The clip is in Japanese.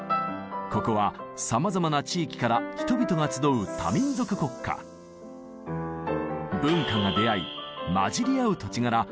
ここはさまざまな地域から人々が集う文化が出会い混じり合う土地柄